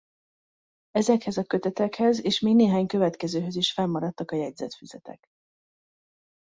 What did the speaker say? Ezekhez a kötetekhez és még néhány következőhöz is fennmaradtak a jegyzetfüzetek.